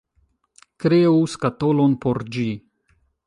Kreu skatolon por ĝi!